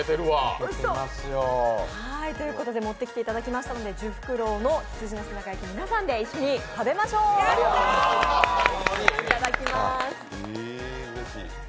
ということで持ってきていただきましたので聚福楼さんの羊の背中焼き皆さんで一緒に食べましょう、いただきまーす。